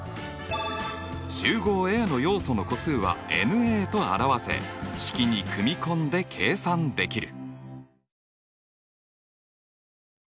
集合Ａの要素の個数はｎと表せ式に組み込んで計算できる。